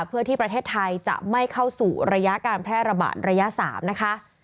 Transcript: เพื่อที่ประเทศไทยจะไม่เข้าสู่ระยะการแพร่ระบาดระยะ๓นะคะ